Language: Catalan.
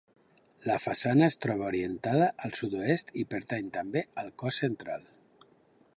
La façana es troba orientada al Sud-oest i pertany també al cos central.